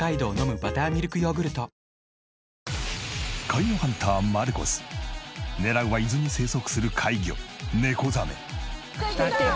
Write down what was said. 怪魚ハンターマルコス狙うは伊豆に生息する怪魚ネコザメ。